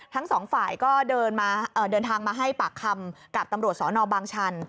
ทั้งสองฝ่ายก็เดินทางมาให้ปากคำกับตำรวจสนบางชัน